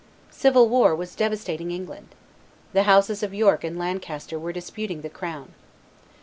Civil war was devastating England. The houses of York and Lancaster were disputing the crown.